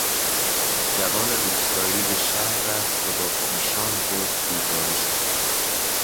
جوان روستایی به شهر رفت و با خویشان خود بیگانه شد.